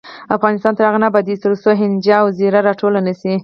افغانستان تر هغو نه ابادیږي، ترڅو هینجه او زیره راټوله نشي.